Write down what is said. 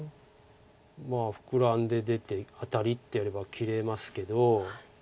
まあフクラんで出てアタリってやれば切れますけど。